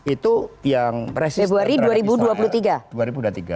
itu yang resisten terhadap israel februari